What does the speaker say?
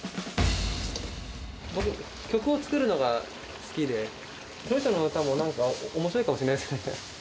僕、曲を作るのが好きで、鳥正の歌もなんか、おもしろいかもしれないですね。